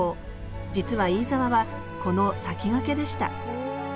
実は飯沢はこの先駆けでした。